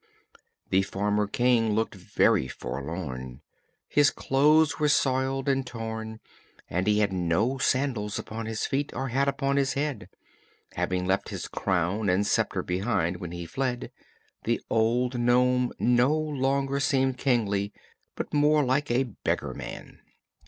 The former King looked very forlorn. His clothes were soiled and torn and he had no sandals upon his feet or hat upon his head. Having left his crown and sceptre behind when he fled, the old nome no longer seemed kingly, but more like a beggerman.